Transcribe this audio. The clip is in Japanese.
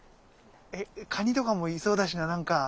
カニとかもいそうだしななんか。